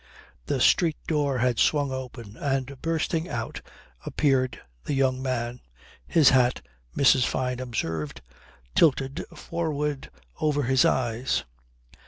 The street door had swung open, and, bursting out, appeared the young man, his hat (Mrs. Fyne observed) tilted forward over his eyes.